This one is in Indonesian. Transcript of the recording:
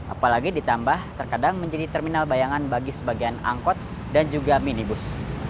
apalagi ditambah terkadang menjadi terminal bayangan bagi sebagian angkot dan juga minibus